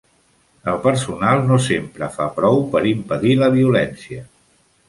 El personal no sempre fa prou per impedir la violència.